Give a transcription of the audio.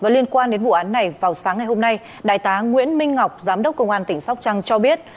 liên quan đến vụ án này vào sáng ngày hôm nay đại tá nguyễn minh ngọc giám đốc công an tỉnh sóc trăng cho biết